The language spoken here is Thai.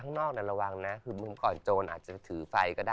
ข้างนอกนั้นระวังนะคือเมื่อก่อนโจรอาจจะถือไฟก็ได้